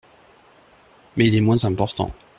Mais il est moins important.